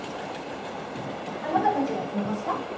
あなたたちが通報した？